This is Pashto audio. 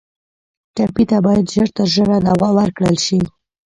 ټپي ته باید ژر تر ژره دوا ورکړل شي.